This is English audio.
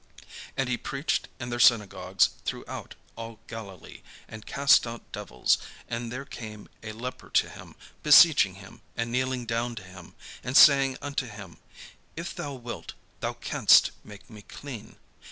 And he preached in their synagogues throughout all Galilee, and cast out devils. And there came a leper to him, beseeching him, and kneeling down to him, and saying unto him, "If thou wilt, thou canst make me clean."